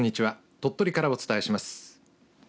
鳥取からお伝えします。